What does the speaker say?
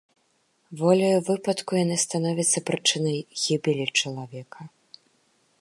Воляю выпадку яны становяцца прычынай гібелі чалавека.